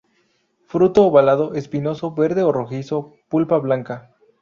Fruto ovalado, espinoso, verde a rojizo, pulpa blanca.